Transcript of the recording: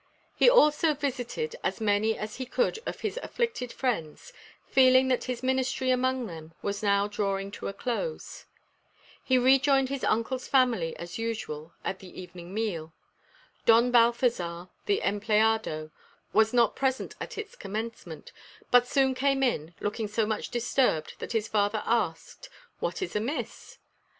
He also visited as many as he could of his afflicted friends, feeling that his ministry among them was now drawing to a close. He rejoined his uncle's family as usual at the evening meal. Don Balthazar, the empleado, was not present at its commencement, but soon came in, looking so much disturbed that his father asked, "What is amiss?"